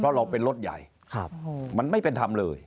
เพราะเราเป็นรถใหญ่มันไม่เป็นธรรมเลย